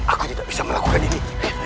aku tidak bisa melakukan ini